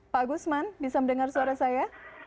pak gusman bisa mendengar suara saya